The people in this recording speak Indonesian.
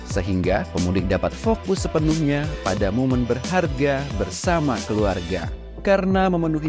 sehingga pemudik dapat fokus sepenuhnya pada momen berharga bersama keluarga karena memenuhi